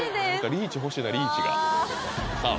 リーチ欲しいなリーチがうわさあ